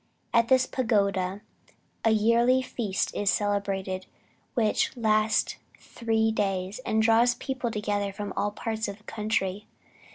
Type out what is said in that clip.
At this pagoda, a yearly feast is celebrated which lasts three days, and draws people together from all parts of the country.